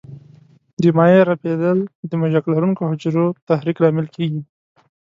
د مایع رپېدل د مژک لرونکو حجرو تحریک لامل کېږي.